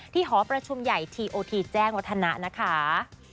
หอประชุมใหญ่ทีโอทีแจ้งวัฒนะนะคะ